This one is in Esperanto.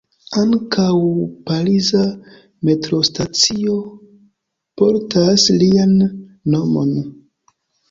Ankaŭ pariza metrostacio portas lian nomon.